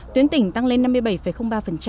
tuyến tỉnh tăng lên năm mươi bảy ba